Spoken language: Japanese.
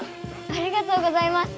ありがとうございます。